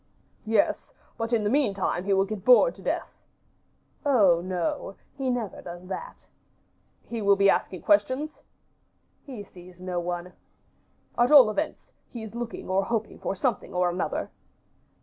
"Yes, but in the mean time he will get bored to death." "Oh, no; he never does that." "He will be asking questions?" "He sees no one." "At all events, he is looking or hoping for something or another."